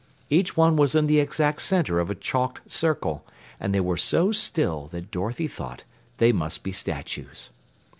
Each one was in the exact center of a chalked circle, and they were so still that Dorothy thought they must be statues.